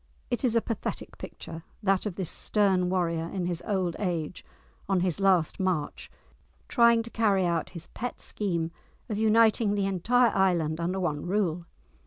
It is a pathetic picture, that of this stern warrior in his old age, on his last march, trying to carry out his pet scheme of uniting the entire island under one rule.